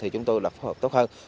thì chúng tôi đã phối hợp tốt hơn